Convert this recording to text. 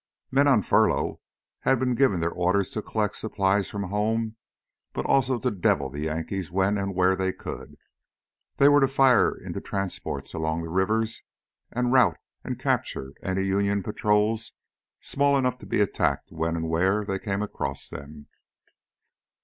Men on furlough had been given their orders to collect supplies from home, but also to devil the Yankees when and where they could. They were to fire into transports along the rivers and rout and capture any Union patrols small enough to be attacked when and where they came across them.